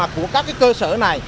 của các cơ sở này